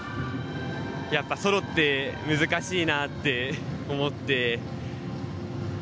やっぱりソロって難しいなって思って。